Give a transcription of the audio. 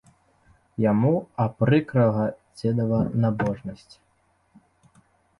Яму апрыкрала дзедава набожнасць.